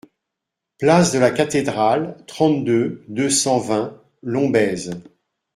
Place de la Cathédrale, trente-deux, deux cent vingt Lombez